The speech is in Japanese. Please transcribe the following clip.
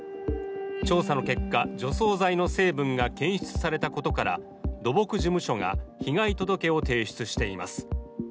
調査の結果、除草剤の成分が検出されたことから土木事務所が被害届を提出しています。